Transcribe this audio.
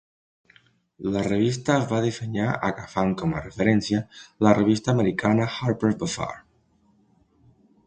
La revista es va dissenyar agafant com a referència la revista americana "Harper's Bazaar".